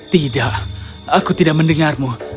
tidak aku tidak mendengarmu